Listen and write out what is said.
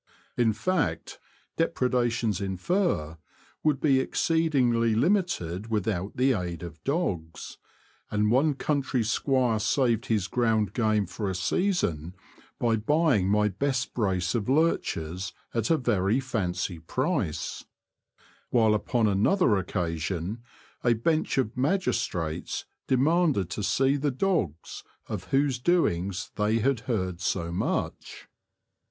In fact, depredations in fur would be exceedingly limited without the aid of dogs ; and one country squire saved his ground game for a season by buying my best brace of lurch ers at a very fancy price ; while upon another occasion a bench of magistrates demanded to see the dogs of whose doings they had heard so much.